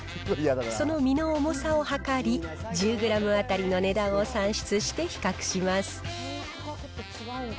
その身の重さを量り、１０グラム当たりの値段を算出して比較します。